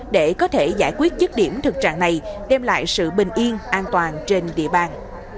để có thể giải quyết chức điểm thực trạng này đem lại sự bình yên an toàn trên địa bàn